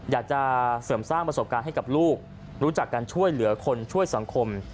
อยากจะเสริมสร้างประสบการณ์ให้กับลูกรู้จักการช่วยเหลือคนช่วยสังคม